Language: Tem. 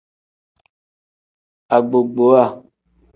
Agbogbowa.